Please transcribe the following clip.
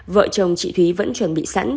vợ chồng chị thúy vẫn chuẩn bị sẵn